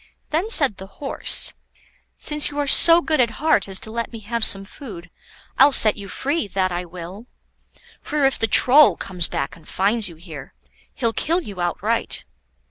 Then said the Horse: "Since you are so good at heart as to let me have some food, I'll set you free, that I will. For if the Troll comes back and finds you here, he'll kill you outright.